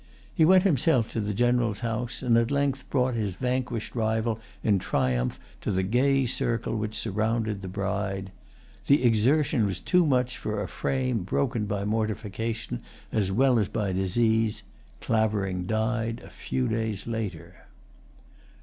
He went himself to the General's house, and at length brought his vanquished rival in triumph to the gay circle which surrounded the bride. The exertion was too much for a frame broken by mortification as well as by disease. Clavering died a few days later.